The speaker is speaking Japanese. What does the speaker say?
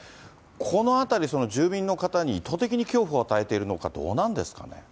このあたり、住民の方に意図的に恐怖を与えているのかと、どうなんですかね。